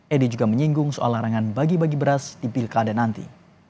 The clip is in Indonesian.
edi juga menyinggung soal larangan bagi bagi beras di pilkada nanti